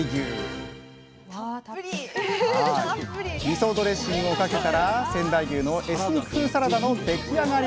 みそドレッシングをかけたら仙台牛のエスニック風サラダの出来上がり！